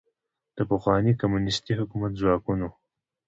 د پخواني کمونیستي حکومت ځواکونو